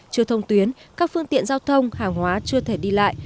chưa thông tuyến các phương tiện giao thông hàng hóa chưa thể đi lại